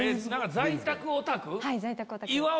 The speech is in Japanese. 在宅オタクです。